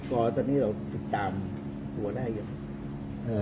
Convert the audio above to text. จักรตอนนี้เราจำหัวได้หรือ